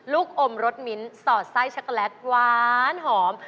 ลูกอมรสมินทร์สอดไส้ช็อกโกแลตหวานหอม